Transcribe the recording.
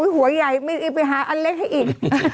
หัวใหญ่ไปหาอันเล็กให้อีก